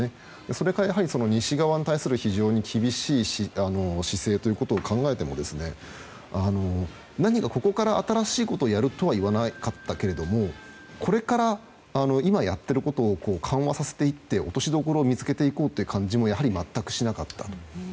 それから西側に対する非常に厳しい姿勢ということを考えても、何かここから新しいことをやるとは言わなかったけれどもこれから今やってることを緩和させていって落としどころを見つけていこうという感じもやはり全くしなかった。